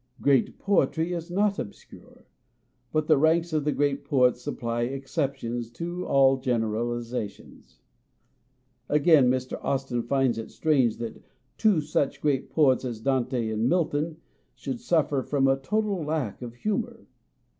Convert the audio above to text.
Great poetry is not obscure ; but the ranks of the great poets supply exceptions to all generalizations. Again, Mr. Austin finds it strange that two such great poets as Dante and Milton should suffer from a total lack of humour.